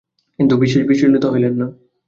কিন্তু বিশেষ বিচলিত হইলেন না।